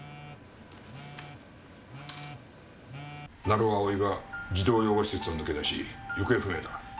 成尾蒼が児童養護施設を抜け出し行方不明だ。